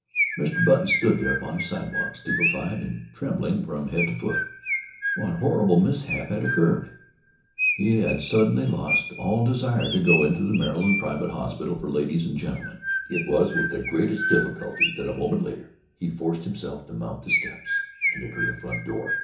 Mr. Button stood there upon the sidewalk, stupefied and trembling from head to foot. What horrible mishap had occurred? He had suddenly lost all desire to go into the Maryland Private Hospital for Ladies and Gentlemen it was with the greatest difficulty that, a moment later, he forced himself to mount the steps and enter the front door.